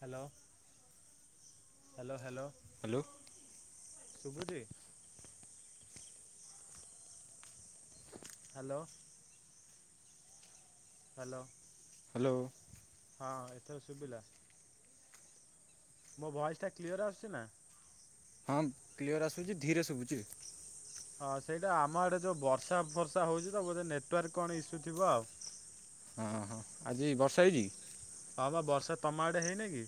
Hello hello hello. Hello. ଶୁଭୁଚି? Hello. Hello. Hello. ହଁ ଏଥର ଶୁଭିଲା। ମୋ ଭଏସ୍ ଟା କ୍ଲିଅର ଆସୁଛି ନା? ହଁ କ୍ଲିଅର୍ ଆସୁଛି ଧୀରେ ଶୁଭୁଛି। ହଁ ସେଇଟା ଆମ ଆଡ଼େ ଯେଉଁ ବର୍ଷା ଫର୍ଷା ହଉଛି ତ ବୋଧେ ନେଟୱାର୍କ କଣ ଇସ୍ୟୁ ଥିବ ଆଉ। ହଁ ହଁ ଆଜି ବର୍ଷା ହେଇଛି କି? ହଁ ପା ବର୍ଷା ତମ ଆଡ଼େ ହେଇନି କି?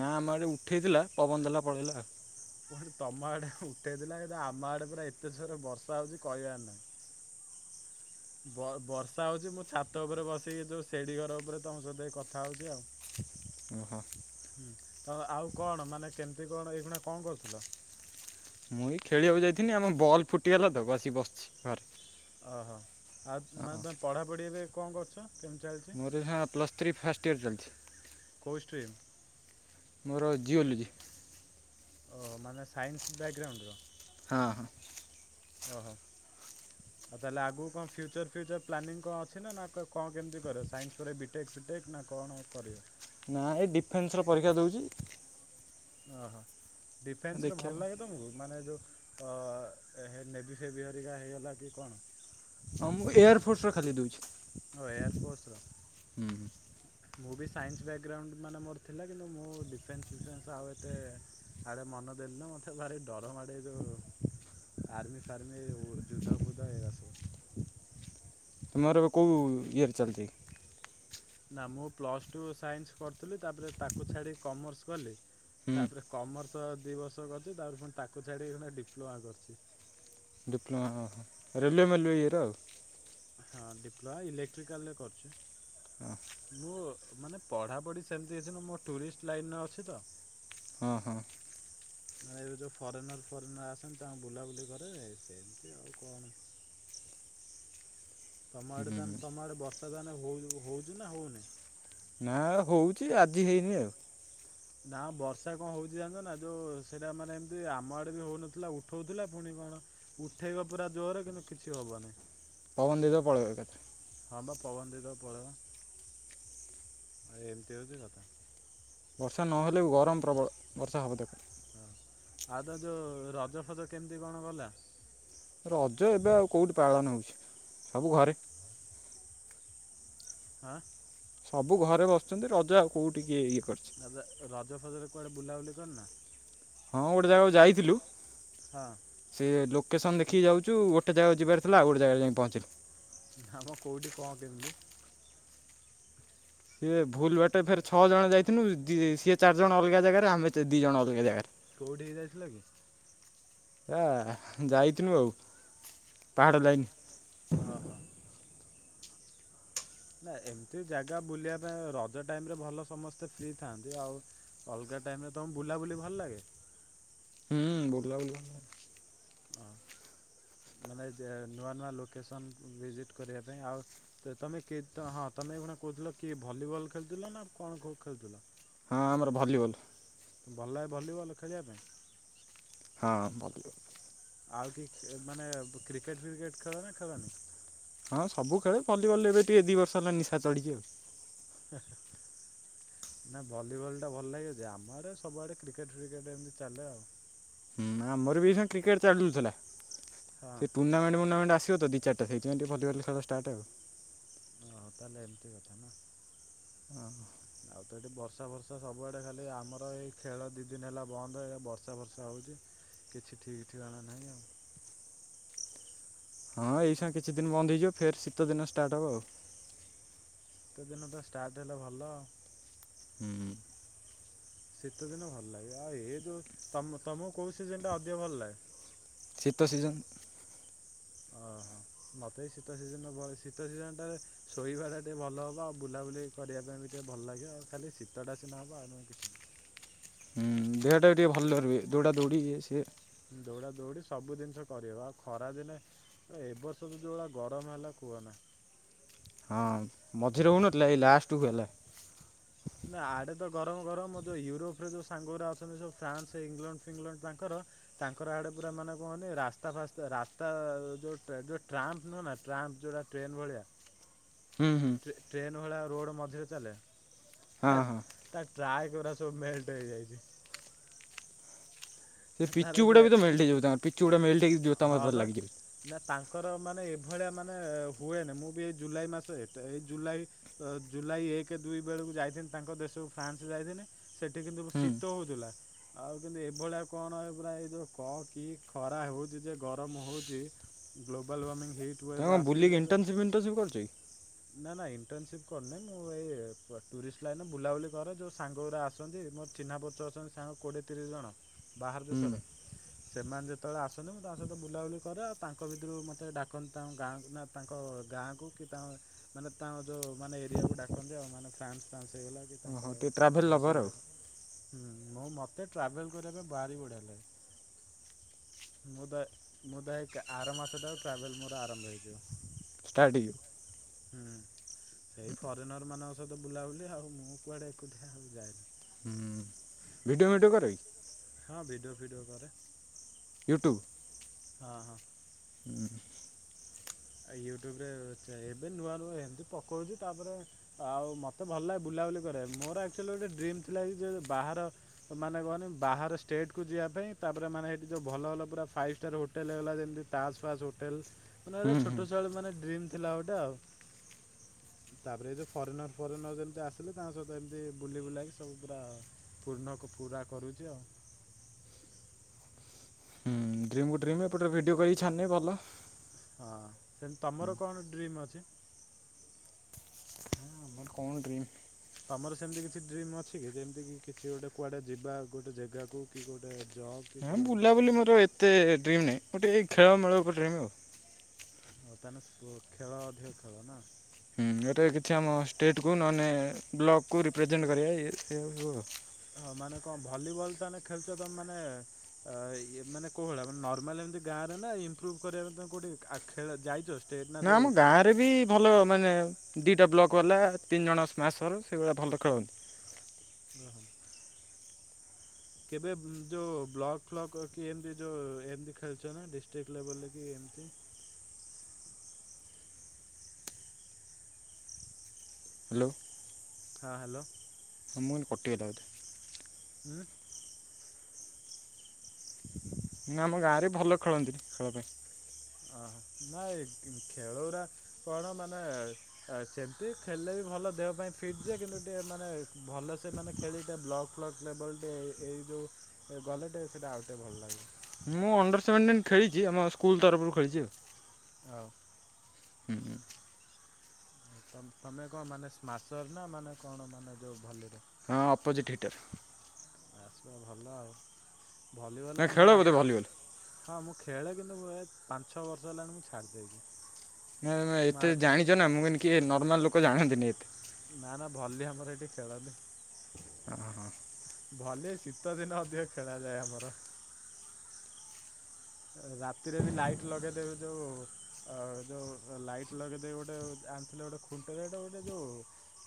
ନା ଆମ ଆଡେ ଉଠେଇଥିଲା ପବନ ଦେଲା ପଳେଇଲା ଆଉ। ପୁଣି ତମ ଆଡେ ଉଠେଇଥିଲା କିନ୍ତୁ ଆମ ଆଡେ ପୁରା ଏତେ ଜୋରେ ବର୍ଷା ହଉଛି କହିବାର ନାହିଁ। ବର୍ଷା ହଉଛି ମୁଁ ଛାତ ଉପରେ ବସିକି ଯୋଉ ସେଡି ଘର ଉପରେ ତମ ସହିତ କଥା ହଉଛି ଆଉ। ଓହୋ। ହୁଁ ତ ଆଉ କଣ ମାନେ କେମିତି କଣ ଏଇଖୁଣା କଣ କରୁଥିଲ? ମୁଁ ବି ଖେଳିବାକୁ ଯାଇଥିନି ଆମ ବଲ୍ ଫୁଟିଗଲା ତ ଆସିକି ବସିଛି ଘରେ। ଓହୋ ଆଉ ହଁ ମାନେ ତୁମେ ପଢ଼ାପଢ଼ି ଏବେ କଣ କରୁଛ? କେମିତି ଚାଲିଛି ମୋର ଏଇ ପ୍ଲସ୍ ଥ୍ରୀ ଫାଷ୍ଟ ଇୟର ଚାଲିଛି। କୋଉଷ୍ଟ୍ରିମ୍? ମୋର ଜିଓଲୋଜି। ଓ ମାନେ ସାଇନ୍ସ ବ୍ୟାଗ୍ରାଉଣ୍ଡର? ହଁ ହଁ। ଓହୋ। ଆଉ ତାହେଲେ ଆଗକୁ କଣ ଫ୍ୟୁଚର ଫ୍ୟୁଚର ପ୍ଲାନିଂ କଣ ଅଛି ନା କଣ କେମିତି କରିବ ସାଇନ୍ସ ପରେ ବି ଟେକ୍ ଫିଟେକ୍ ନା କଣ ଆଉ କରିବ? ନା ଏଇ ଡିଫେନ୍ସର ପରୀକ୍ଷା ଦଉଛି। ଓହୋ ଡିଫେନ୍ସରେ ଦେଖିବା କଣ ଭଲ ଲାଗେ ତୁମକୁ ମାନେ ଯେଉଁ ଅ ନେବି ଫେବି ହରିକା ହେଇଗଲା କି କଣ? ହଁ ମୁଁ ଏୟାର ଫୋର୍ସ ର ଖାଲି ଦଉଛି। ଓ ଏୟରଫୋର୍ସ ର। ମୁଁ ବି ସାଇନ୍ସ ବ୍ୟାକଗ୍ରାଉଣ୍ଡ ମାନେ ମୋର ଥିଲା କିନ୍ତୁ ମୁଁ ଡିଫେନ୍ସ ଫିଫେନ୍ସ ଆଉ ଏତେ ଆଡ଼େ ମନ ଦେଲିନି ମୋତେ ଭାରି ଡର ମାଡ଼େ ଯୋଉ ଆର୍ମି ଫାର୍ମି ଯୁଦ୍ଧା ଫୁଦ୍ଦା ଏରା ସବୁ। ତୁମର ଏବେ କୋଉ ଇଅର୍ ଚାଲିଛି? ନା ମୁଁ ପ୍ଲସ ଟୁ ସାଇନ୍ସ କରୁଥିଲି ତାପରେ ତାକୁ ଛାଡ଼ି କମର୍ସ କଲି। ତାପରେ ହୁଁ କମର୍ସ ଦୁଇ ବର୍ଷ କରିୁଛି ତାପରେ ପୁଣି ତାକୁ ଛାଡ଼ିକି ଡିପ୍ଲୋମା କରିୁଛି। ଡିପ୍ଲୋମା ଓହୋ। ରେଲୱେ ମେଲୱେ ଇଏର ଆଉ। ହଁ ଡିପ୍ଲୋମା ଇଲେକ୍ଟ୍ରିକାଲରେ କରୁଚି। ମୁଁ ମାନେ ପଢାପଢି ସେମିତି ଅଛି ମୋ ଟୁରିଷ୍ଟ ଲାଇନରେ ଅଛି ତ। [unintelligible] ମାନେ ଏବେ ଯେଉଁ ଫରେନର୍ ଫରେନର୍ ଆସନ୍ତି, ତାଙ୍କୁ ବୁଲାବୁଲି କରେ ସେମିତି ଆଉ କଣ। ତମ ଆଡେ ହଁ ତମ ଆଡେ ବର୍ଷା ତାହେନେ ହଉ ହଉଚି ନା ହଉନି? ନା ହଉଛି ଆଜି ହେଇନି ଆଉ। ନା ବର୍ଷା କଣ ହଉଛି ଜାଣିଚ ନା ଯୋଉ ସେଇଟା ମାନେ ଏମତି ଆମ ଆଡେ ବି ହଉନଥିଲା ଉଠଉଥିଲା ପୁଣି କଣ ଉଠେଇବ ପୁରା ଜୋରେ କିନ୍ତୁ କିଛି ହବନି। [unintelligible] [unintelligible] ଏମିତି ହେଉଛି କଥା। ବର୍ଷା ନହେଲେ ବି ଗରମ ପ୍ରବଳ ବର୍ଷା ହେବ ତାକୁ ହଁ ଆଉ ତା ଯୋଉ ରଜ ଫଜ କେମିତି କଣ ଗଲା ରଜ ଏବେ ଆଉ କେଉଁଠି ପାଳନ ହେଉଛି ସବୁ ଘରେ [unintelligible] ସବୁ ଘରେ ବସିଛନ୍ତି, ରଜା ଆଉ କଉଠ ଟିକିଏ ଇଏ କରିଛି। ଦଦ ରଜ ଫଜରେ କୁଆଡ଼େ ବୁଲାବୁଲି କରିନା? ହଁ ଗୋଟେ ଜାଗାକୁ ଯାଇଥିଲୁ, ହଁ ସେ ଲୋକେସନ ଦେଖିକି ଯାଉଛୁ, ଗୋଟେ ଜାଗା ଯିବାର ଥିଲାଉୋଟେ ଜାରୋଇକ ପହଞ୍ଚି ନା ମ କେଉଠି କଣ କେମିତି ସିଏ ଭୁଲ ବାଟେ ଫେରେ ଛଅ ଜଣ ଯାଇଥଥିଲୁ, ସିଏ ଚାରିଜଣ ଅଲଗା ଜାଗାରେ, ଆମେ ଦୁଇ ଜଣ ଅଲଗା ଜାଗାରେ କୋଉଠି ହେଇ ଯାଇଥିଲ କି? ହେ ଯାଇଥିନୁ ଆଉ, ପାହାଡ଼ ଲାଇନ୍ ଓହୋ। ନା ଏମିତି ଜାଗା ବୁଲିବା ପାଇଁ ରଜ ଟାଇମ ରେ ଭଲ ସମସ୍ତେ ଫ୍ରି ଥାଆନ୍ତି ଆଉ। ଅଲଗା ଟାଇମ୍ରେ ତୁମକୁ ବୁଲାବୁଲି ଭଲ ଲାଗେ। ହୁଁ ବୁଲା ବୁ ହଁ ମାନେ ନୂଆ ନୂଆ ଲୋକେସନ୍ ଭିଜିଟ୍ କରିବା ପାଇଁ ଆଉ ତ ତମେ କେ ହଁ ତମେ ଏ କଣ କହୁଥିଲ କି ଭଲିବଲ ଖେଳୁଥିଲ ନା କଣ ଖେଳୁଥିଲା। ହଁ ଆମର ଭଲିବଲ୍ ଭଲ ଭ ଭଲିବଲ୍ ଖେଳିବା ପାଇଁ ହଁ [unintelligible] ଆଉ କି ମାନେ କ୍ରିକେଟ ଫ୍ରିକେଟ ଖେଳ ନା ଖେଳନି ହଁ ସବୁ ଖେଳେ ଭଲିବଲ ଏବେ ଟିକେ ଦିଇ ବର୍ଷ ହେଲା ନିଶା ଚଢଛି ଆଉ। [inaudible] ନା ଭଲିବଲ୍ଟା ଭଲ ଲାଗି ଅଛି ଆମ ଆଡ଼େ ସବୁଆଡ଼େ କ୍ରିକେଟ୍ ଫ୍ରିକେଟ୍ ଏମିତି ଚାଲେ ଆଉ। [inaudible] ହୁଁ ଆମର ବି ସେ କ୍ରିକେଟ ଚାଲୁଥିଲା ହଁ। ସେ [unintelligible] ଆସ ତ ଦୁ ଚାରଟା ସେଥିାଇ ଟ ଭଲ ଖେ ଷ୍ଟଟ ଆଉ ଓହୋ ତାହେଲେ ଏମିତି କଥା ନା ହଁ। ଆଉ ତ ଏଠି ବର୍ଷା ବର୍ଷା ସବୁଆଡେ ଖାଲି ଆମର ଏଇ ଖେଳ ଦି ଦିନ ହେଲା ବନ୍ଦ ଏଇ ବର୍ଷା ବର୍ଷା ହଉଛି। କିଛି ଠିକ୍ଠିକାଣା ନାହିଁ ଆଉ। ହଁ ଏଇସଙ୍ଗେ କିଛି ଦିନ ବନ୍ଦ ହେଇଯିବ। ଫେର୍ ଶୀତଦିନ ଷ୍ଟାର୍ଟ ହେବ ଆଉ। ସୀତ ଦିନ ଟା ଷ୍ଟାର୍ଟ ହେଲା ଭଲ ହୁଁ। ଶୀତ ଦିନ ଭଲ ଲାଗେ, ଆଉ ଏ ଯୋଉ ତମ କୋଉ ସିଜନ ଟା ଅଧିକ ଭଲ ଲାଗେ? ଶୀତ ସିଜନ। ଓହୋ ମତେ ଶୀତ ସିଜନ, ଶୀତ ସିଜନଟାରେ ଶୋଇବା ଟା ଟିକେ ଭଲ ହବ ଆଉ ବୁଲାବୁଲି କରିବା ପାଇଁ ବି ଟିକେ ଭଲ ଲାଗିବ ଆଉ ଖାଲି ଶୀତଟା ସିନା ହବ ଆଉଁ କିଛି ନାହିଁ। ଦେହଟା ବି ଟିକେ ଭଲ ଧ ରିବେ ଦୌଡ଼ା ଦୌଡ଼ି ଇଏ ସିଏ ଦୌଡା ଦୌଡି ସବୁ ଜିନିଷ କରିହବ ଆଉ ଖରା ଦିନେ ଏଇ ବର୍ଷ ତ ଯେଉଁଭଳିଆ ଗରମ ହେଲା କୁହନା ହଁ ମଝିରେ ହଉନଥିଲା ଏଇ ଲାଷ୍ଟ କୁ ହେଲା ନା ଆଡ଼େ ତ ଗରମ ଗରମ ଯେଉଁ ୟୁରୋପରେ ଯେଉଁ ସାଙ୍ଗରେ ଅଛନ୍ତି ସବୁ ଫ୍ରାନ୍ସ ଇଂଲଣ୍ଡ ଫିଙ୍ଗଲଣ୍ଡ ତାଙ୍କର ତାଙ୍କର ଆଡେ ପୁରା ମାନେ କହନି ରାସ୍ତା ଫାସ୍ତା ରାସ୍ତା ଯୋଉ ଯୋଉ ଟ୍ରା ନୁହେଁ ନା ଟ୍ରାମ୍ପ ଯୋଉଟା ଟ୍ରେନ୍ ଭଲିଆ ହୁଁ ହୁଁ ସେ ଟ୍ରେନ୍ ଭଳିଆ ରୋଡ଼ ମଝିରେ ଚାଲେ ହଁ ହେ ହଁ ତା ଟ୍ରାଏ କ ସବୁ ମେଲଟ ହେଇଯାଇଛି ସେ ତାର ପିଚୁଗୁଡା ପ୍ରାୟ ବି ମେଲ୍ଟ ହେଇଯାଉଛି ତାଙ୍କ ପିଚୁଗୁଡା ମେଲ୍ଟ ହେଇକି ଜୋତା ହଁ ଫୋତା ରେ ବା ଲାଗେ ନା ତାଙ୍କର ମାନେ ଏଭଳିଆ ମାନେ ହୁଏନା ମୁଁ ବି ଏଇ ଜୁଲାଇ ମାସ ଏଇ ଜୁଲାଇ ଅ ଜୁଲାଇ ଏକ ଦୁଇ ବେଳକୁ ଯାଇଥିଲେ ତାଙ୍କ ଦେଶକୁ ଫ୍ରାନ୍ସ ଯାଇଥିଲେ ସେଠି କିନ୍ତୁ ହୁଁ ଶୀତ ହଉଥିଲା ଆଉ କିନ୍ତୁ ଏଭଳିଆ କଣ ପୁରା ଏଇ ଯୋଉ କ କି ଖରା ହେଉଛି ଯେ ଗରମ ହଉଛି ଗ୍ଲୋବାଲ ୱାର୍ମିଂ ଭିଟୁଏ ତମେ ବା କ'ଣ ଆସୁ ବୁଲିକି ସେ ଇଣ୍ଟର୍ନସିପ୍ ଇଣ୍ଟର୍ନସିପ୍ କରୁଛ କି ନା ନା ଇଣ୍ଟର୍ନସିପ୍ କରୁନହିଁ ମୁଁ ଏଇ ଟୁରିଷ୍ଟ ଲାଇନ ବୁଲାବୁଲି କରରେ ଯେଉଁ ସାଙ୍ଗରେ ଆସନ୍ତି ମୋର ଚିହ୍ନା ପରିଚୟ ଅଛନ୍ତି ସାଙ୍ଗ କୋଡିଏ ତିରିଶ ଜଣ ବାହାର ହୁଁ ଦେଶର ସେମାନେ ଯେତେବେଳେ ଆସନ୍ତି ମୁଁ ତାଙ୍କ ସହିତ ବୁଲାବୁଲି କରେ ଆଉ ତାଙ୍କ ଭିତରୁ ମୋତେ ଡାକନ୍ତି ତମ ଗାଁ ନା ତାଙ୍କ ଗାଁ କୁ କି ତାଙ୍କ ମାନେ ତା ଯୋଉ ମାନେ ଏରିଆକୁ ଡାକନ୍ତି ଆଉ ମାନେ୍ରାନ୍ସ ଫ୍ରାସ ହେଇଗଲା ତାଙ୍କ ଓହୋ ଟିକେ ଟ୍ରାଭେଲ୍ ଦେଶ ଲଭର୍ ଆଉ ଗୁଡ଼ାକ ହୁଁ ମୁଁ ମୋତେ ଟ୍ରାଭେଲିଙ୍ଗ କରିବା ପାଇଁ ଭାରି ବଢ଼ିଆ ଲାଗେ। ମୁଁ ଦ ମୁଁ ଦ ଆର ମାସଟା ଆଉ ଟ୍ରାଭେଲ ମୋର ଆରମ୍ଭ ହେଇଯିବ। ଷ୍ଟାର୍ଟ ହେଇଯିବ ହୁଁ। ସେଇ ଫରେନର୍ ମାନଙ୍କ ସହିତ ବୁଲାବୁଲି ଆଉ ମୁଁ କୁଆଡ଼େ ଏକୁଟିଆ ଆଉ ଯାଏନି ହୁଁ। ଭିଡ଼ିଓ ଭିଡ଼ିଓ କରେ? ହଁ ଭିଡିଓ ଫିଡିଓ କରେ ୟୁଟ୍ୟୁବ। ହଁ ହଁ। ହୁଁ। ଆ ୟୁଟ୍ୟୁବ ରେ ଚେ ଏବେ ନୂଆ ନୁଆଁ ଏମିତି ପକଉଛି ତାପରେ ଆଉ ମୋତେ ଭଲ ଲାଗେ ବୁଲାବୁଲି କରେ ମୋର ଆକ୍ଚୁଆଲି ଗୋଟେ ଡ୍ରିମ୍ ଥିଲା ଯେ ବାହାର ମାନେ କହନି ବାହାର ଷ୍ଟେଟ କୁ ଯିବା ପାଇଁ ତାପରେ ମାନେ ସେଇଠି ଯୋଉ ଭଲ ଭଲ ପୁରା ଫା ଷ୍ଟାର୍ ହୋଟେଲ ହେଲା ଯେମିତି ତାସ ଫାସ୍ ହୋଟେଲ ମାନେ ହୁଁ ହୁଁ ଛୋଟଛୁଆଁ ବେଳୁ ମାନେ ଡ୍ରିମ୍ ଥିଲା ଗୋଟେ ଆଉ ତାପରେ ଏ ଯୋଉ ଫରେନର ଫରେନର ଯେମିତି ଆସିଲେ ତାଙ୍କ ସହିତ ଏମିତି ବୁଲି ବୁଲାକି ସବୁ ପୁରା ପୂର୍ଣ୍ଣ ପୁରା କରୁଛି ଆଉ ହଁ ଡ୍ରିମ୍ କୁ ଡ୍ରିମ୍ ମୁଁ ଏପଟେ ରେ ଭିଡିଓ କରିକି ଛାଡୁନି ଭଲ ହଁ ସେମିତି ତମର କଣ ଡ୍ରିମ୍ ଅଛି? ଆମର କଣ ଡ୍ରିମ୍? ତମର ସେମିତି କିଛି ଡ୍ରିମ୍ ଅଛି କି ଯେମିତି କି କିଛି ଗୋଟେ କୁଆଡେ ଯିବା ଗୋଟେ ଜାଗାକୁ କି ଗୋଟେ ଜବ୍ କି ହଁ କୁହନ୍ତି ବୁଲାବୁଲି ମୋର ଏତେ ଡ୍ରିମ୍ ନାହିଁ ମୁଁ ଟିକେ ଏ ଖେଳମେଳ ଉପରେ ଡ୍ରିମ୍ ଆଉ ହଉ ତାହେଲେ ସ୍ପୋ ଖେଳ ଅଧିକ ଖେଳ ନା? ହୁଁ ଏଟା କିଛି ଆମ ଷ୍ଟେଟ କୁ ନହେଲେ ବ୍ଲକ କୁ ରିପ୍ରେଜେଣ୍ଟ କରିବା ହଁ ମାନେ କଣ ଭଲିବଲ ତ ଆମେ ଖେଳୁଛ ତମେ ମାନେ ମାନେ କଉହଲା ମେ ନର୍ମାଲ ଏମିତି ଗାଁରେ ନା ଇମ୍ପ୍ରଭୁ କରିବା ପାଇଁ କୋଉଠି ଆ ଖେଳ ଯାଇଛ? ଷ୍ଟେଟ୍ ନା ଯୋଉ ଆମ ଗାଁରେ ରେ ବି ଭଲ ମାନେ ଦିଇଟା ବ୍ଲକ ବାଲା ତିନି ଜଣ ସ୍ମାସର ସେଇଗୁଡ଼ଆ ଭଲ ଖେଳନ୍ତି। ରହ। କେବେ ଯୋଉ ବ୍ଲକ ଫ୍ଲକ୍ କି ଏମତି ଯୋଉ ଏମତି ଖେଳଛ ନା ଡିଷ୍ଟ୍ରିକ୍ଟ ଲେବଲରେ କି ଏମତି। ହ୍ୟାଲୋ। ହଁ ହ୍ୟାଲୋ। ଆ ମୁଁନ ପଠେଇଦବ ବୋଧେ। ଆଁ। ନାଁ ଆମ ଗାଁରେ ଭଲ ଖେଳନ୍ତି ସମତେ। ହଁ ହଁ ନାଇଁ ଖେଳଉରା କଣ ମାନେ? ଆ ସେମିତି ଖେଳିଲେ ବି ଭଲ ଦେହ ପାଇଁ ଫିଟ୍ ଯେ କିନ୍ତୁ ଟିକେ ମାନେ ଭଲ ସେ ମାନେ ଖେଳି ଟିକେ ବ୍ଲକ୍ ଫ୍ଲକ୍ ଲେବଲଟେ ଏଇ ଯଉ ଗଲେଟେ ସେଇଟା ଆଉଟେ ଭଲ ଲାଗେ। ମୁଁ ଅଣ୍ଡର ସେଭେଣ୍ଟିନ୍ ଖେଳିଛି ଆମ ସ୍କୁଲ ତରଫରୁ ଖେଳିଛି ଆଉ। ହଉ। ହୁଁ ହୁଁ। ତ ତମେ କଣ ମାନେ ସ୍ମାସର ନା ମାନେ କଣ ମାନେ ଯେଉଁ ଭାଲିଡେ। ହଁ ଅପୋଜିଟ୍ ହିଟର୍। ଆସିବା ଭଲ ଆଉ। ଭଲି ନା ବଲ ମୁଁ ଖେଳ ବୋଧେ ଆଗେ ଖେ ଭଲିବଲ୍। ହଁ ମୁଁ ଖେଳେ କିନ୍ତୁ ଏ ପାଞ୍ଚ ଛଅ ବର୍ଷ ହେଲାଣି ମୁଁ ଛାଡିଦେଇଚି। ନାଁ ଏତେ ଜାଣିଚ ନା ମୁଁ କଇନି କି ନର୍ମାଲ ଲୋକ ଜାଣନ୍ତିନି ଏତେ। ନା ନା ଭଲି ଆମର ଏଠି ଖେଳନି। ଭଲି ଶୀତଦିନ ଅଧିକ ଖେଳାଯାଏ ଆମର। ରାତିରେ ବି ଲାଇଟ୍ ଲଗେଇଦେବେ ଯୋଉ। ଆ ଯୋଉ ଲାଇଟ ଲଗେଇଦେଇ ଗୋଟେ ଆଣିଥିଲେ ଗୋଟେ ଖୁଣ୍ଟରେ ଗୋଟେ ଯୋଉ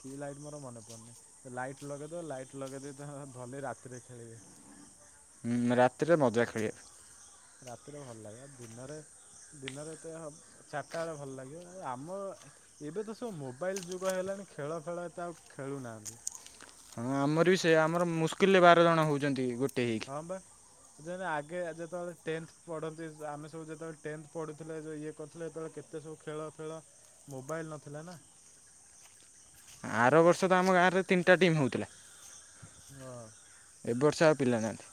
କି ଲାଇଟ୍ ମୋର ମନେ ପଡୁନି। ଲାଇଟ ଲଗେଇଦେବେ ଲାଇଟ ଲଗେଇ ଦେଇକି ତାଙ୍କର ଭଲି ରାତିରେ ଖେଳିବେ। ରାତିରେ ମଜା ଖେଳିବେ। ରାତିରେ ଭଲ ଲାଗେ ଦିନରେ ଦିନରେ ଏତେ ହଁ ଚାରିଟା ବେଳେ ଭଲ ଲାଗିବ ଆ ଆମ ଏବେ ତ ସବୁ ମୋବାଇଲ୍ ଯୁଗ ହେଲାଣି ଖେଳ ଫେଳ ଏତେ ଆଉ ଖେଳୁନାହାଁନ୍ତି। ହଁ ଆମର ବି ସେଇଆ ଆମର ମୁସ୍କିଲରେ ବାର ଜଣ ହଉଛନ୍ତି ଗୋଟେ ହେଇକି। ହଁ ବା। ଦେନେ ଆଗେ ଯେତେବେଳେ ଟେନ୍ଥ ପଢନ୍ତି ଆମେ ସବୁ ଯେତେବେଳେ ଟେନ୍ଥ ପଢୁଥିଲେ ଯୋଉ ଇଏ କରୁଥିଲେ ଯେତେବେଳେ କେତେ ସବୁ ଖେଳ ଫେଳ ମୋବାଇଲ୍ ନଥିଲା ନା। ଆର ବର୍ଷ ତ ଆମ ଗାଁରେ ତିନିଟା ଟିମ୍ ହଉଥିଲା। ହଁ। ଏ ବର୍ଷ ଆଉ ପିଲା ନାହାନ୍ତି।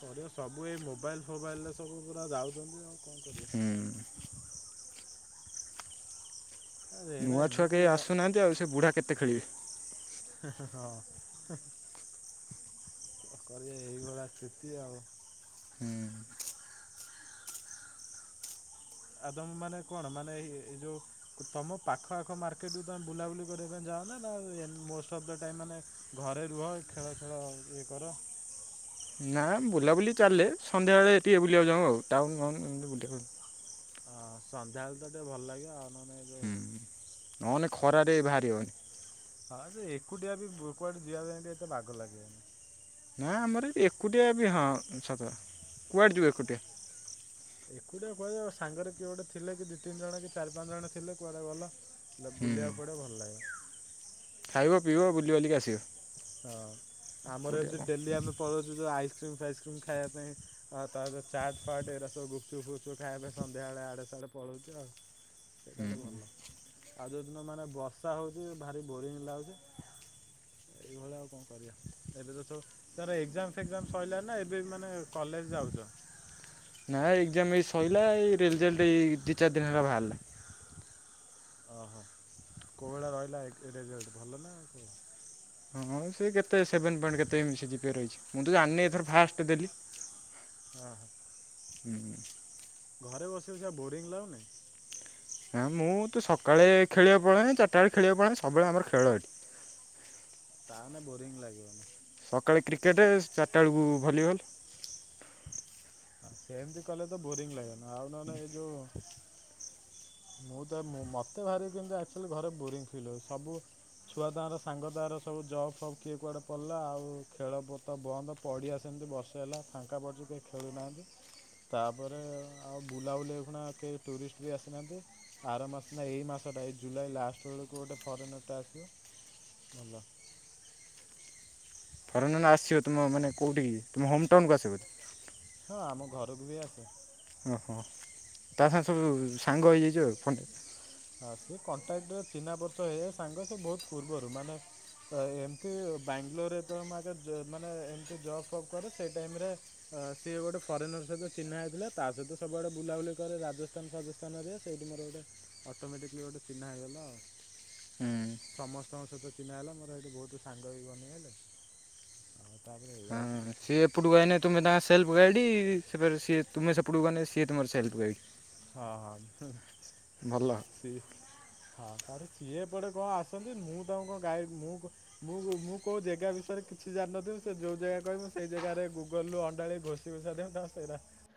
କରିବ ସବୁ ଏଇ ମୋବାଇଲ ଫୋବାଇଲରେ ସବୁ ପୁରା ଯାଉଚନ୍ତି ଆଉ କଣ କରିବା। ହୁଁ। ଆରେ ଏରା ନୂଆ ଛୁଆ ଏମିତି କେହି ଆସୁନାହାନ୍ତି ଆଉ ସେ ବୁଢା କେତେ ଖେଳିବେ। ହଁ। କଣ କରିବା ଏଇଭଳିଆ ସ୍ଥିତି ଆଉ। ହୁଁ। ଆଦମ ମାନେ କଣ ମାନେ ଏଇ ଯୋଉ ତମ ପାଖ ଆଖ ମାର୍କେଟକୁ ତମେ ବୁଲାବୁଲି କରିବା ପାଇଁ ଯାଅ ନା ନା ମୋଷ୍ଟ ଅଫ ଦ ଟାଇମ ମାନେ ଘରେ ରୁହ ଖେଳ ଖେଳ ଇଏ କର। ନା ବୁଲାବୁଲି ଚାଲେ ସନ୍ଧ୍ୟାବେଳେ ଟିକେ ବୁଲିବାକୁ ଯାଉ ଆଉ ଟାଉନ ଫାଉନ ଏମିତି ବୁଲିବାକୁ। ହଁ ସନ୍ଧ୍ୟାବେଳେ ତ ଟିକେ ଭଲ ଲାଗିବ ଆଉ ନହେଲେ ଯୋଉ ହୁଁ ନନେ ଖରାରେ ବି ବାହାରି ହବନି। ହଁ ତ ଏକୁଟିଆ ବି କୁଆଡେ ଯିବା ପାଇଁ ବି ଏତେ ବାଗ ଲାଗିବନି। ନା ଆମର ଏ ଏକୁଟିଆ ବି ହଁ ସତ କଥା କୁଆଡ଼େ ଯିବୁ ଏକୁଟିଆ। [inaudible] ଏକୁଟିଆ କୁଆଜିବ ସାଙ୍ଗରେ କିଏ ଗୋଟେ ଥିଲେ କି ଦି ତିନି ଜଣ କି ଚାରି ପାଞ୍ଚ ଜଣ ଥିଲେ କୁଆଡେ ଗଲ। ହୁଁ ବୁଲିବାକୁ ପଡ଼ିବ ଭଲ ଲାଗିବ। ଖାଇବ ପିଇବ ବୁଲି ବାଲିକି ଆସିବ। ହଁ ଆମର ଏକୁଟିଆ କ'ଣ ଏମିତି ଡେଲି ଆମେ ପଳଉଛୁ। ଯୋଉ ଆଇସ୍କ୍ରିମ୍ ଫାଇସ୍କ୍ରିମ୍ ଖାଇବା ପାଇଁ। ଆଉ ତା ସହ ଚାଟ୍ ଫାଟ୍ ଏରା ସବୁ ଗୁପଚୁପ୍ ଫୁପଚୁପ୍ ଖାଇବା ପାଇଁ ସନ୍ଧ୍ୟା ବେଳେ ଆଡେ ସାଡେ ପଳଉଛୁ ଆଉ। ସେଇଟା ଗୋଟେ ଭଲ। ଆଉ ଯୋଉ ଦିନ ମାନେ ବର୍ଷା ହଉଛି ଭାରି ବୋରିଙ୍ଗ ଲାଗୁଛି। ଏଇଭଳି ଆଉ କଣ କରିବା। ଏବେ ତ ସବୁ ତମର ଏକ୍ଜାମ ଫେକ୍ଜାମ ସରିଲାଣି ନା ଏବେ ମାନେ କଲେଜ ଯାଉଛ। ନା ଏକ୍ଜାମ ଏଇ ସରିଲା ଏଇ ରେଜଲ୍ଟ ଏଇ ଦି ଚାରି ଦିନ ହେଲା ବାହାରିଲା। ଅହୋ କୋଉ ଭଳିଆ ରହିଲା ରେଜଲ୍ଟ ଭଲ ନା ଆଉ କଣ? ହଁ ସେ କେତେ ସେଭେନ ପଏଣ୍ଟ କେତେ ସିଜିପିଏ ରହିଛି ମୁଁ ତ ଯାଣିନି ଏଥର ଫାଷ୍ଟ ଦେଲି। ହଁ ହଁ। ହୁଁ ହୁଁ। ଘରେ ବସି ବସିକା ବୋରିଙ୍ଗ ଲାଗୁନି? ନା ମୁଁ ତ ସକାଳେ ଖେଳିବା ପଳାଏ ଚାରିଟା ବେଳେ ଖେଳିବା ପଳାଏ ସବୁବେଳେ ଆମର ଖେଳ ଏଠି। ତାନେ ବୋରିଂ ଲାଗିବନି ସକାଳେ କ୍ରିକେଟ ଚାରିଟା ବେଳକୁ ଭଲିବଲ୍। ସେମିତି କଲେ ତ ବୋରିଙ୍ଗ ଲାଗେନ ଆଉ ନହେଲେ ଏଇ ଯୋଉ ମୁଁ ତ ମତେ ଭାରି କିନ୍ତୁ ଏକ୍ଚୁଆଲି ଘରେ ବୋରିଂ ଫିଲ୍ ହଉଛି ସବୁ ଛୁଆଦାଆର ସାଙ୍ଗ ଦାଆର ସବୁ ଜବ୍ ଫବ୍ କିଏ କୁଆଡ଼େ ପଡ଼ିଲା ଆଉ ଖେଳପତ ବନ୍ଦ। ପଡ଼ିଆ ସେମିତି ବର୍ଷେ ହେଲା ଫାଙ୍କା ପଡ଼ିଛି କିଏ ଖେଳୁ ନାହାଁନ୍ତି। ତାପରେ ଆଉ ବୁଲାବୁଲି ଅହିଖୁନା କେହି ଟୁରିଷ୍ଟ ବି ଆସିନାହାନ୍ତି। ଆର ମାସ ନା ଏଇ ମାସଟା ଏଇ ଜୁଲାଇ ଲାଷ୍ଟ ବେଳକୁ ଗୋଟେ ଫରେନର ଟେ ଆସିବ। ଭଲ। କାରଣ ନା ଆସିବ ତୁମ ମାନେ କେଉଁଠି ତମ ହୋମ ଟାଉନକୁ ଆସିବ ବୋଧେ। ହଁ ଆମ ଘରକୁ ବି ଆସେ। ହଁ ହଁ ତା ସାଙ୍ଗେ ସବୁ ସାଙ୍ଗ ହେଇଯାଇଛି ଆଉ ଫଣ୍ଡେ ଆଉ ସିଏ କଣ୍ଟାକ୍ଟରେ ଚିହ୍ନା ପରିଚୟ ହେ ସାଙ୍ଗ ସେ ବହୁତ ପୂର୍ବରୁ ମାନେ ଏମିତି ବାଙ୍ଗାଲୋରରେ ତ ଆଗେ ମାନେ ଏମତି ଜବ ଫବ୍ କରେ ସେଇ ଟାଇମ୍ ରେ ଅ ସିଏ ଗୋଟେ ଫରେନର ସହିତ ଚିହ୍ନା ହେଇଥିଲା ତା ସହିତ ସବୁଆଡ ବୁବୁଲି କରେ ରାଜ ସ୍ତାନ ଫାଜସ୍ଥାନରେ ସେଇଠି ମୋର ଗୋଟେ ଅଟୋମେଟିଲି ଗୋଟେ ଚିହ୍ନା ହେଇଗଲା ଆଉ। ହୁଁ। ସମସ୍ତଙ୍କ ସହିତ ଚିହ୍ନା ହେଲା ମୋର ସେଇଠି ବହୁତୁ ସାଙ୍ଗ ବି ବନିଗଲେ। ହଉ ତାପରେ ୟ ହଁ ସିଏ ଏପଟକୁ ଆଇନେ ତୁମେ ତାଙ୍କ ସେଲ୍ଫ ଗାଇଡ଼ି ସିଏ ତୁମେ ସେପଟୁ ଗଲେ ସିଏ ତୁମର ସେଲ୍ଫ୍ ଗାଇଡି। ହଁ ହଁ ଭଲ ସି ହଁ ତାର ସିଏ ଏପଟେ କଣ ଆସନ୍ତି ମୁଁ ତାଙ୍କୁ କଣ ଗାଈ ମୁଁ ମୁଁ ମୁଁ କୋଉ ଜାଗା ବିଷୟରେ କିଛି ଜାଣିନଥିବି ସେ ଯୋଉ ଜାଗା କହିବୁ ସେଇ ଜାଗାରେ ଗୁଗଲରୁ ଅଣ୍ଡାଳି ଘୋଷ ସେିିବଷା ଦ ଆସଇରା [unintelligible]